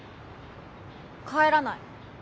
帰らない。